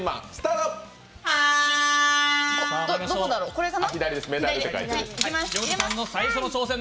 どこだろう、左かな？